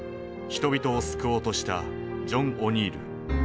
人々を救おうとしたジョン・オニール。